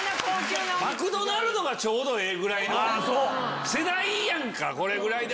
マクドナルドがちょうどええぐらいの世代やんか。